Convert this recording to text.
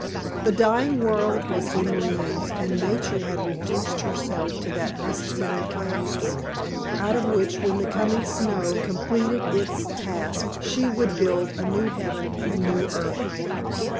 The dying world was in ruins and Nature had reduced herself to that necessary chaos, out of which, when the coming snow completed its task, she would build a new heaven and a new earth.